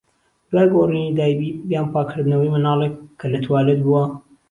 دوای گۆڕینی دایبی یان پاکردنەوەی مناڵێک کە لە توالێت بووە.